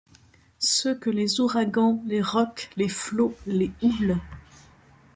Ceux que les ouragans, les rocs, les flots, les houles